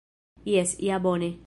Jes, ja bone!